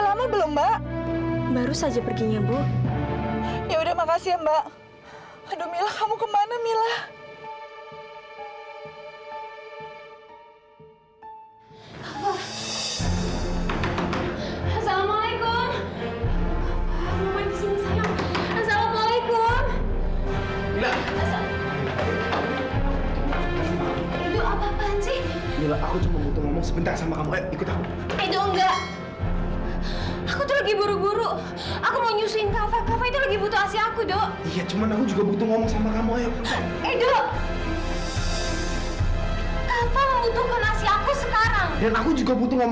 sampai jumpa di video selanjutnya